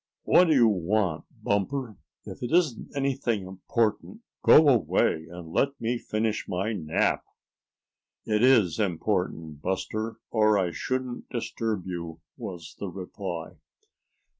"What do you want, Bumper? If it isn't anything important go away, and let me finish my nap." "It is important, Buster, or I shouldn't disturb you," was the reply.